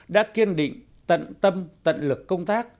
đã kiên định tận tâm tận lực công tác